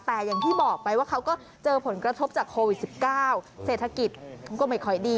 แต่อย่างที่บอกไปว่าเขาก็เจอผลกระทบจากโควิด๑๙เศรษฐกิจก็ไม่ค่อยดี